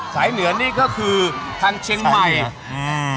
สายเหนือนี่ก็คือทางเชียงใหม่อืม